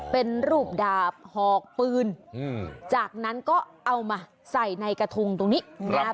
เป็นรูปดาบหอกปืนจากนั้นก็เอามาใส่ในกระทงตรงนี้นะครับ